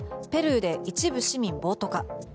ペルーで一部市民暴徒化。